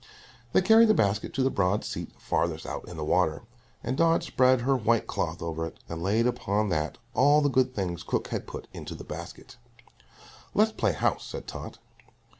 They carried the basket to the broad seat farthest out in the water, and Dot spread her white cloth over it, and laid upon that all the good things cook had put into her basket. "Let's play house," said Tot.